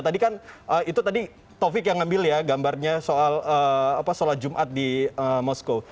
tadi kan itu tadi taufik yang ngambil ya gambarnya soal sholat jumat di moskow